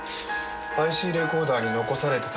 ＩＣレコーダーに残されてた曲。